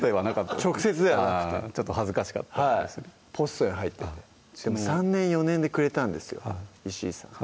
直接ではなくてちょっと恥ずかしかったはいポストに入ってて３年・４年でくれたんですよイシイさん